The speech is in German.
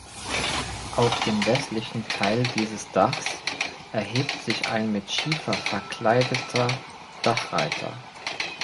Auf dem westlichen Teil dieses Dachs erhebt sich ein mit Schiefer verkleideter Dachreiter.